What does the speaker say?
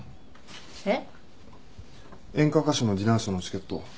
演歌歌手のディナーショーのチケット